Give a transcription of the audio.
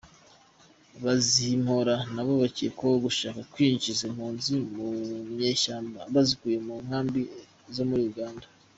Bazimpora nabo bakekwaho gushaka kwinjiza impunzi mu nyeshyamba bazikuye mu nkambi zo muri Uganda.